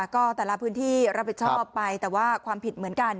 ก็แต่ละพื้นที่รับผิดชอบไปแต่ว่าความผิดเหมือนกัน